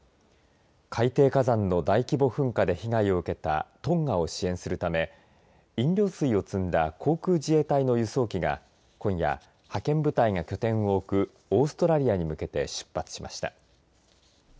海底火山の大規模噴火で被害を受けたトンガを支援するため飲料水を積んだ航空自衛隊の輸送機が今夜、派遣部隊が拠点を置くオーストラリアに向けて出発しました。